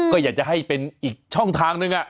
ก็อยากจะให้เป็นอีกช่องทางนึง